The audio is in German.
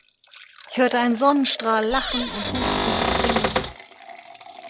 Ich hörte einen Sonnenstrahl lachen und husten und singen!